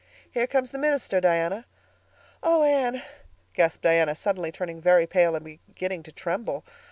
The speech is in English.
"Here comes the minister, Diana." "Oh, Anne," gasped Diana, suddenly turning very pale and beginning to tremble.